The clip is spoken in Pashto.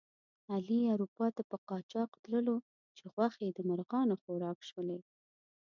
علي اروپا ته په قاچاق تللو چې غوښې د مرغانو خوراک شولې.